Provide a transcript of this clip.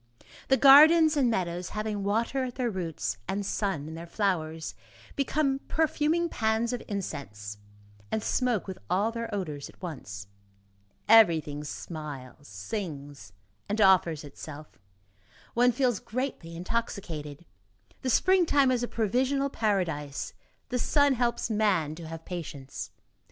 The gardens and meadows, having water at their roots, and sun in their flowers, become perfuming pans of incense, and smoke with all their odors at once. Everything smiles, sings and offers itself. One feels gently intoxicated. The springtime is a provisional paradise, the sun helps man to have patience.